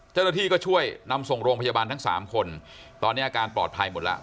เจ้าหน้าที่ก็ช่วยนำส่งโรงพยาบาลทั้งสามคนตอนนี้อาการปลอดภัยหมดแล้ว